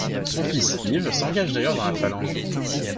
Son fils, Yves, s'engage d'ailleurs dans la Phalange.